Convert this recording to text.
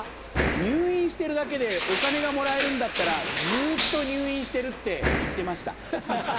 「入院してるだけでお金がもらえるんだったらずっと入院してる」って言ってました。